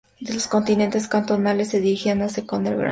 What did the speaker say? Los contingentes cantonales se dirigían a socorrer Grandson.